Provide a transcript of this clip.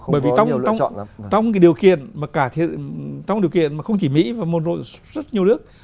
bởi vì trong điều kiện mà không chỉ mỹ và một số rất nhiều nước